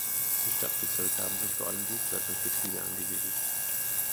Im Stadtbezirk haben sich vor allem Dienstleistungsbetriebe angesiedelt.